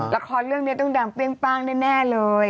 ละครเรื่องนี้ต้องดังเปรี้ยงป้างแน่เลย